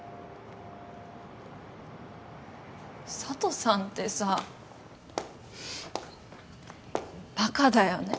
佐都さんってさバカだよね。